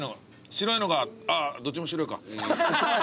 白いのがあっどっちも白いか。